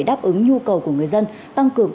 đáp ứng nhu cầu của người dân tăng cường